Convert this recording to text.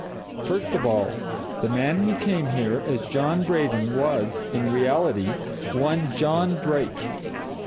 First of all the man who came here as John Braden was, in reality, one John Brake.